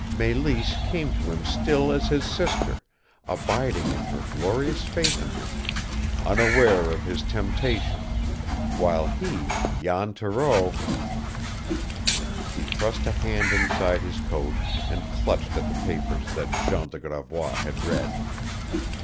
Mélisse came to him still as his sister, abiding in her glorious faith in him, unaware of his temptation; while he, Jan Thoreau He thrust a hand inside his coat and clutched at the papers that Jean de Gravois had read.